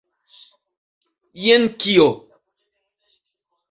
Jen kio!